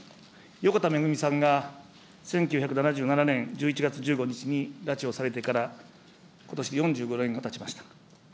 横田めぐみさんが１９７７年１１月１５日に拉致をされてから、ことしで４５年がたちました。